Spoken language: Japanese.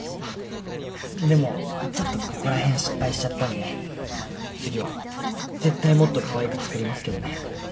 でもちょっとここら辺失敗しちゃったんで次は絶対もっとかわいく作りますけどね。